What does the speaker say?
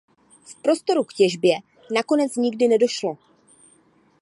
V prostoru k těžbě nakonec nikdy nedošlo.